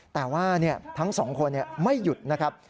แต่ว่าทั้งสองคนไม่หยุดนะครับ